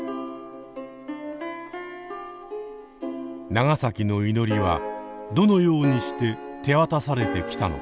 長崎の祈りはどのようにして手渡されてきたのか。